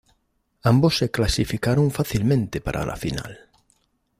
Ambos se clasificaron fácilmente para la final.